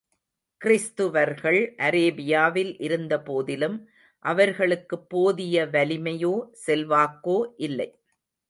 கிறிஸ்துவர்கள், அரேபியாவில் இருந்த போதிலும், அவர்களுக்குப் போதிய வலிமையோ செல்வாக்கோ இல்லை.